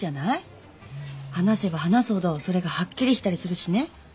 話せば話すほどそれがはっきりしたりするしね。